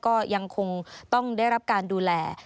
ก็ยังคงต้องได้รับการดูแล